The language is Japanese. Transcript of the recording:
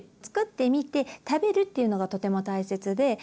作ってみて食べるっていうのがとても大切で。